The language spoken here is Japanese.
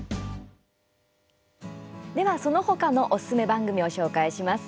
では、その他のおすすめ番組をご紹介します。